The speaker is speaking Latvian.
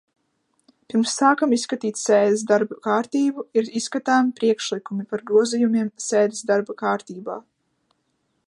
Pirms sākam izskatīt sēdes darba kārtību, ir izskatāmi priekšlikumi par grozījumiem sēdes darba kārtībā.